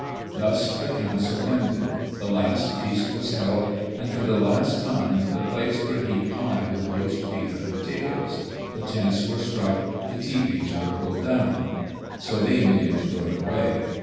Thus the council ended. The last feast was held, and for the last time the plates were heaped high with roast beef and potatoes. The tents were struck. The tepees were pulled down. So the Indians rode away.